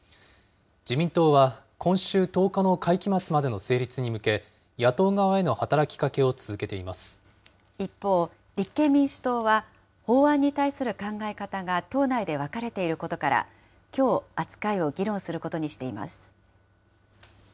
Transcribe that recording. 自民党は、今週１０日の会期末までの成立に向け、野党側への働きかけを続け一方、立憲民主党は、法案に対する考え方が党内で分かれていることから、きょう、扱いを議論することにしています。